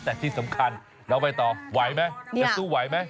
แต่ที่สำคัญเราไปต่อไหวไหมจะสู้ไหวไหม